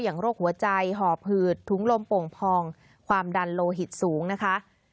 โรคหัวใจห่อผืดถุงลมโป่งพองความดันโลหิตสูงนะคะ